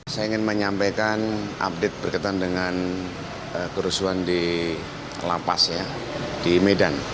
saya ingin menyampaikan update berkaitan dengan kerusuhan di lapas ya di medan